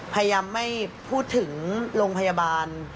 พยายามไม่พูดถึงโรงพยาบาล